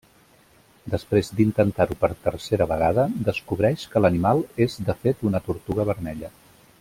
Després d'intentar-ho per tercera vegada, descobreix que l'animal és de fet una tortuga vermella.